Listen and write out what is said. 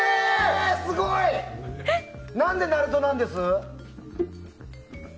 すごい！何で、なるとなんです？